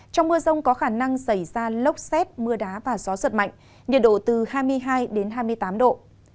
trong mưa rông có khả năng xảy ra lốc xét mưa đá và gió giật mạnh nhiệt độ từ hai mươi hai đến hai mươi tám độ